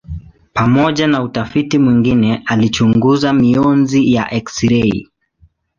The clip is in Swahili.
Pamoja na utafiti mwingine alichunguza mionzi ya eksirei.